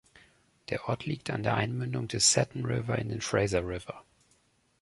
Der Ort liegt an der Einmündung des Seton River in den Fraser River.